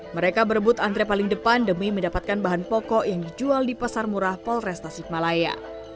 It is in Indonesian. mereka berebut antre paling depan demi mendapatkan bahan pokok yang dijual di pasar murah polres tasikmalaya